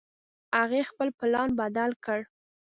هغې خپل پلان بدل کړ